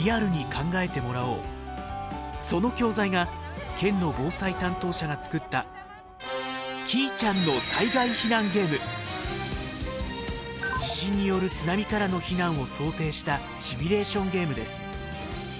その教材が県の防災担当者が作った地震による津波からの避難を想定したシミュレーションゲームです。